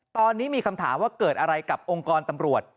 ตอนนี้มีคำถามว่าเกิดอะไรกับองค์กรตำรวจ